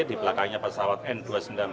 di belakangnya pesawat n dua ratus sembilan puluh